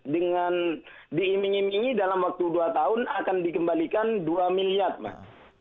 dengan diiming imingi dalam waktu dua tahun akan dikembalikan dua miliar mas